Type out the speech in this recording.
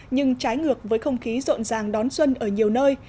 nhưng trái ngược với không khí rộn ràng đón xuân ở nhiều nơi